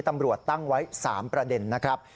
ตำรวจตั้งไว้๓ประเด็นนะครับ